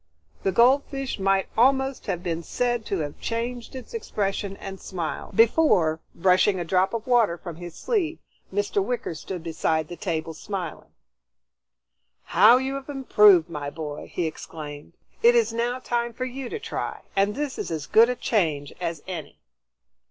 The goldfish might almost have been said to have changed its expression and smiled, before, brushing a drop of water from his sleeve, Mr. Wicker stood beside the table smiling. "How you have improved, my boy!" he exclaimed. "It is now time for you to try, and this is as good a change as any."